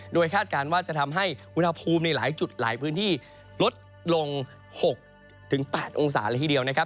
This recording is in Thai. โดยคาดการณ์ว่าจะทำให้อุณหภูมิในหลายจุดหลายพื้นที่ลดลง๖๘องศาเลยทีเดียวนะครับ